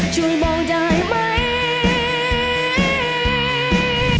ช่วยบอกได้ไหม